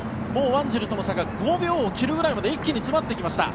ワンジルとの差が５秒を切るくらいまで一気に詰まってきました。